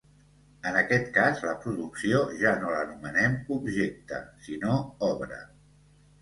En aquest cas, la producció ja no l'anomenem objecte, sinó obra.